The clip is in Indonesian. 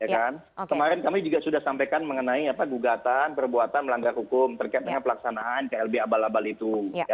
kemarin kami juga sudah sampaikan mengenai gugatan perbuatan melanggar hukum terkait dengan pelaksanaan klb abal abal itu